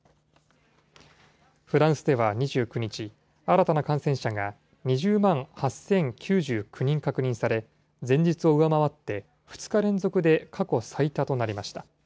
フランスでは２９日、新たな感染者が２０万８０９９人確認され、前日を上回って２日連続で過去最多となりました。